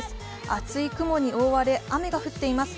厚い雲に覆われ、雨が降っています